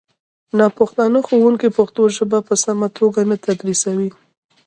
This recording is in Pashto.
ناپښتانه ښوونکي پښتو ژبه په سمه توګه نه تدریسوي